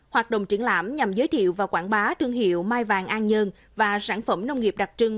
hoạt động triển lãm nhằm giới thiệu và quảng bá thương hiệu mai vàng an dương và sản phẩm nông nghiệp đặc trưng